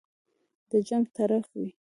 د جنګ طرف وي.